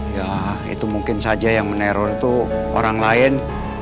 ya itu mungkin saja yang meneror itu orang lain